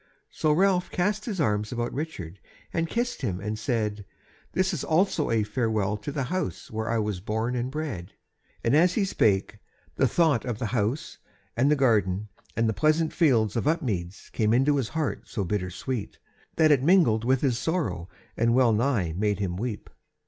So Ralph cast his arms about Richard, and kissed him and said: "This is also a farewell to the House where I was born and bred." And as he spake the thought of the House and the garden, and the pleasant fields of Upmeads came into his heart so bitter sweet, that it mingled with his sorrow, and well nigh made him weep.